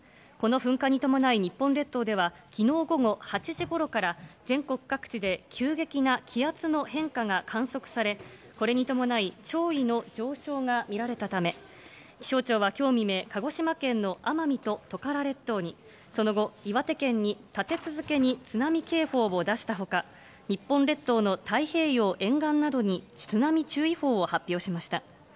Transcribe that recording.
この噴火に伴い日本列島ではきのう午後８時ごろから、全国各地で急激な気圧の変化が観測され、これに伴い、潮位の上昇が見られたため、気象庁はきょう未明、鹿児島県の奄美とトカラ列島に、その後、岩手県に立て続けに津波警報を出したほか、日本列島の太平洋沿岸などに津波注意報を発表しました。